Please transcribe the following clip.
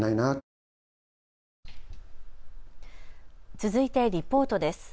続いてリポートです。